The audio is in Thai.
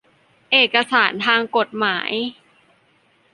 เอกสารทางกฎหมาย